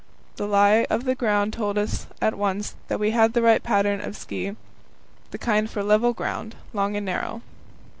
The lie of the ground told us at once that we had the right pattern of ski the kind for level ground, long and narrow.